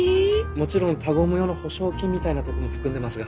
もちろん他言無用の保証金みたいなとこも含んでますが。